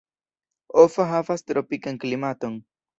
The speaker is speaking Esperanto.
Offa havas tropikan klimaton.